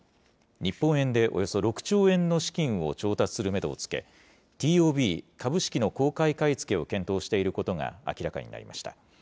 日本円でおよそ６兆円の資金を調達するメドをつけ、ＴＯＢ・株式の公開買い付けを検討していることが明らかになりました。